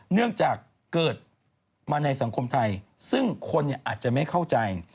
เนื่องจากเกิดมาในสังคมไทยซึ่งคนอาจจะไม่เข้าใจ